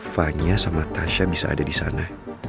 fahnya sama tasya bisa ada disana